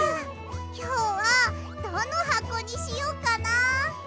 きょうはどのはこにしよっかな。